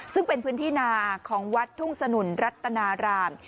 ซึ่งเป็นพื้นที่นาของวัดทุ่งสนุนรัตนาราม